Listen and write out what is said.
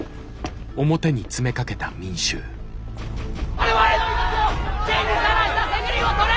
我々の命を危険にさらした責任を取れ！